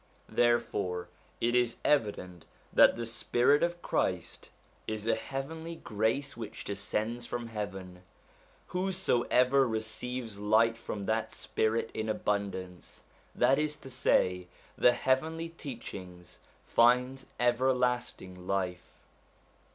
Therefore it is evident that the spirit of Christ is a heavenly grace which descends from heaven; whoso ever receives light from that spirit in abundance, that is to say the heavenly teachings, finds everlasting life.